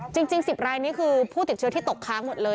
จริง๑๐รายนี้คือผู้ติดเชื้อที่ตกค้างหมดเลย